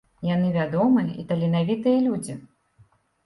Яны вядомыя і таленавітыя людзі.